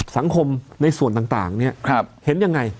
สังคมในส่วนต่างเนี่ยเห็นยังไง